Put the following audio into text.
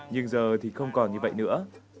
nhưng giờ thì không còn như vậy nữa